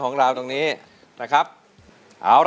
กลับไปก่อนที่สุดท้าย